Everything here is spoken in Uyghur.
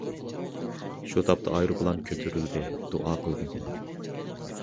شۇ تاپتا ئايروپىلان كۆتۈرۈلدى، دۇئا قىلدىم.